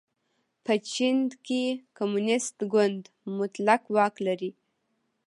په چین کې کمونېست ګوند مطلق واک لري.